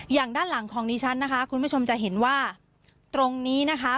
อย่างด้านหลังของดิฉันนะคะคุณผู้ชมจะเห็นว่าตรงนี้นะคะ